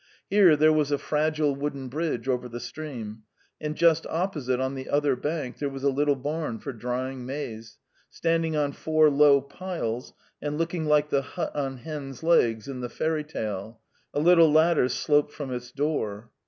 Here there was a fragile wooden bridge over the stream, and just opposite on the other bank there was a little barn for drying maize, standing on four low piles, and looking like the hut on hen's legs in the fairy tale; a little ladder sloped from its door.